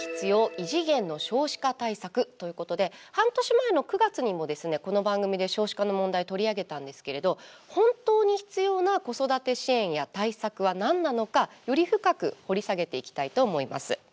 異次元の少子化対策ということで、半年前の９月にもこの番組で少子化の問題取り上げたんですけれど本当に必要な子育て支援や対策はなんなのかより深く掘り下げていきたいと思います。